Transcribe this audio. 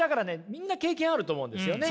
みんな経験あると思うんですよね。